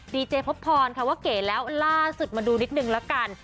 ดีเจพบพรค่ะว่าเก๋แล้วล่าสุดมาดูนิดนึงละกัน